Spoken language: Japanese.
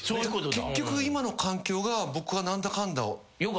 結局今の環境が僕は何だかんだ。